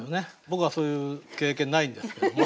僕はそういう経験ないんですけども。